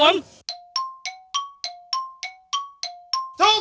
ถูกต้อง